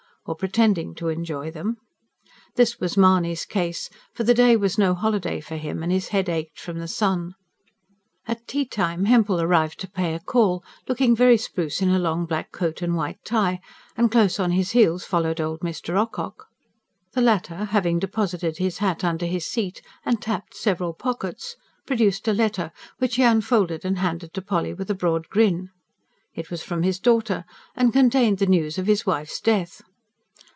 Or pretending to enjoy them. This was Mahony's case; for the day was no holiday for him, and his head ached from the sun. At tea time Hempel arrived to pay a call, looking very spruce in a long black coat and white tie; and close on his heels followed old Mr. Ocock. The latter, having deposited his hat under his seat and tapped several pockets, produced a letter, which he unfolded and handed to Polly with a broad grin. It was from his daughter, and contained the news of his wife's death.